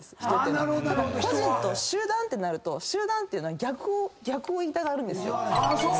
ただ個人と集団ってなると集団っていうのは逆を言いたがるんですよ。